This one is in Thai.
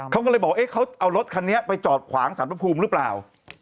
เขาก็เลยบอกเขาเอารถคันนี้ไปจอดขวางสรรพภูมิหรือเปล่า